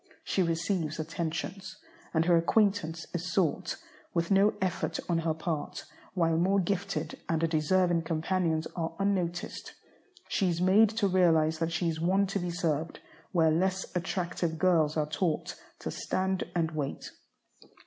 She receives attentions, and her acquaintance is sought, with no effort on her part, while more gifted and deserving companions are unnoticed. She is made to realize that she is one to be served, where less attractive girls are taught to "stand and wait."